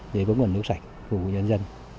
để có nguồn nước sạch phục vụ nhân dân